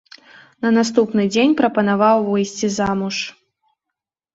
На наступны дзень прапанаваў выйсці замуж.